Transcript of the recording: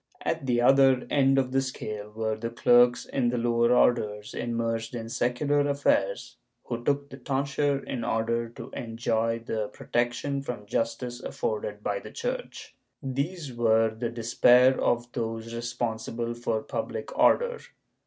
^ At the other end of the scale were the clerks in the lower orders, immersed in secular affairs, who took the tonsure in order to enjoy the protection from justice afforded by the Church. These were the despair of those responsible for public order.